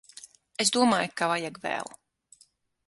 Es domāju ka vajag vēl.